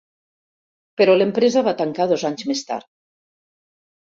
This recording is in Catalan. Però l'empresa va tancar dos anys més tard.